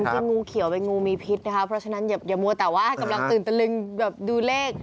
จริงงูเขียวเป็นงูมีพิษนะคะเพราะฉะนั้นอย่ามัวแต่ว่ากำลังตื่นตะลึงแบบดูเลข